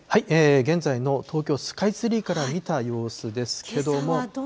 現在の東京スカイツリーから見た様子ですけども。